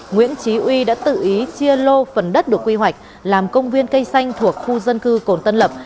nguyễn trí uy đã tự ý chia lô phần đất được quy hoạch làm công viên cây xanh thuộc khu dân cư cồn tân lập